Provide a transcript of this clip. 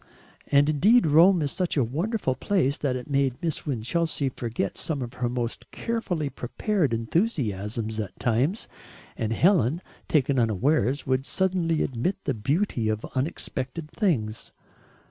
And indeed Rome is such a wonderful place that it made Miss Winchelsea forget some of her most carefully prepared enthusiasms at times, and Helen, taken unawares, would suddenly admit the beauty of unexpected things.